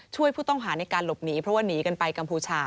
ช่วยผู้ต้องหาในการหลบหนีเพราะว่าหนีกันไปกัมพูชา